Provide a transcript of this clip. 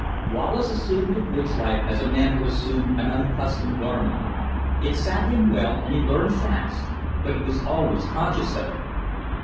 Wallace assumed the woods life as a man would assume an unaccustomed garment. It sat him well, and he learned fast, but he was always conscious of it.